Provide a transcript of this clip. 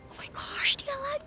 oh my gosh dia lagi